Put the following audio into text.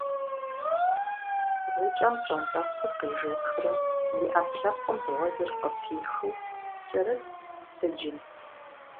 Гъукӏэм пщӏантӏэпсыр къежэхрэ и ӏэпкълъэпкъым гъуэзыр къыпихыу кӏэрытт сыджым.